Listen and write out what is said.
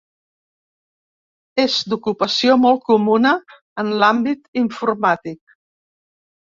És d'ocupació molt comuna en l'àmbit informàtic.